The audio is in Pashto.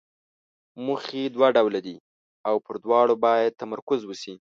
موخې دوه ډوله دي او پر دواړو باید تمرکز وشي.